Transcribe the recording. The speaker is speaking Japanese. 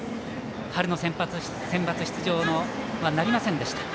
春のセンバツ出場はなりませんでした。